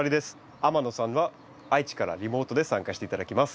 天野さんは愛知からリモートで参加して頂きます。